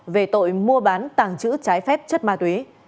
về tội mua bán tàng trữ trái phép chất ma túy